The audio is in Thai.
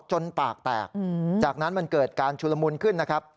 จนปากแตกจากนั้นมันเกิดการชุลมุนขึ้นนะครับ